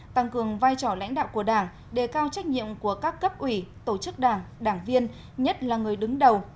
tăng cường vai trò lãnh đạo của đảng đề cao trách nhiệm của các cấp ủy tổ chức đảng đảng viên nhất là người đứng đầu